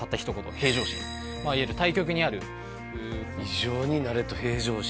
「平常心」いわゆる対極にある「異常になれ」と「平常心」